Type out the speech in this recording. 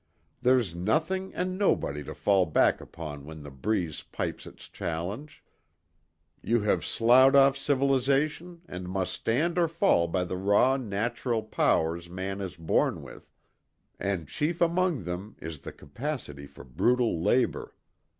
There's nothing and nobody to fall back upon when the breeze pipes its challenge; you have sloughed off civilisation and must stand or fall by the raw natural powers man is born with, and chief among them is the capacity for brutal labour.